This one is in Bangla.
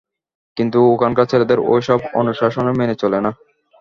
কিন্তু ওখানকার ছেলেদের ওই সব অনুশাসনের মেনে চলে না।